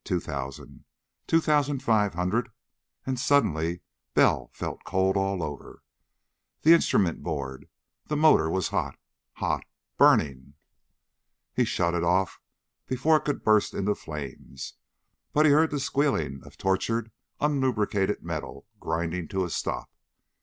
Two thousand. Two thousand five hundred.... And suddenly Bell felt cold all over. The instrument board! The motor was hot. Hot! Burning! He shut it off before it could burst into flames, but he heard the squealing of tortured, unlubricated metal grinding to a stop.